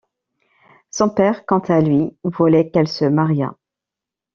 Son père, quant à lui, voulait qu'elle se mariât.